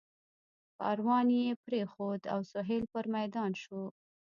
کاروان یې پرېښود او سهیل پر میدان شو.